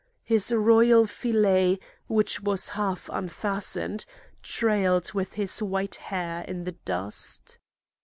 His royal fillet, which was half unfastened, trailed with his white hair in the dust.